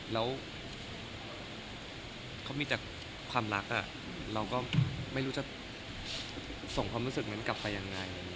แล้วเขามีแต่ความรักเราก็ไม่รู้จะส่งความรู้สึกนั้นกลับไปยังไง